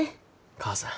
母さん。